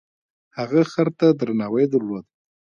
هغه خر ته درناوی درلود.